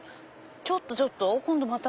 ちょっとちょっと今度また。